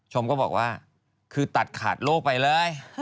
ก็บอกว่าคือตัดขาดโลกไปเลย